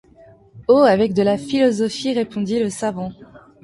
Oh! avec de la philosophie ! répondit le savant.